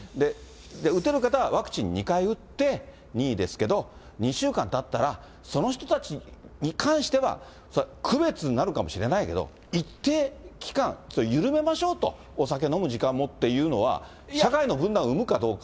打てる方はワクチン２回打って、任意ですけど、２週間たったら、その人たちに関しては、区別になるかもしれないけど、一定期間緩めましょうと、お酒飲む時間もっていうのは、社会の分断を生むかどうか。